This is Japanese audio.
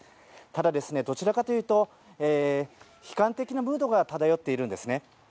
ただ、どちらかというと悲観的なムードが漂っているんですね。